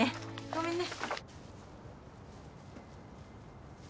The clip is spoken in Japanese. ごめんね。